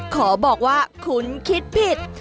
ขอบอกว่าคุณคิดผิด